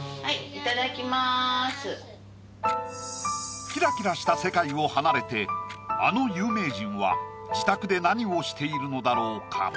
はいいただきますキラキラした世界を離れてあの有名人は自宅で何をしているのだろうか？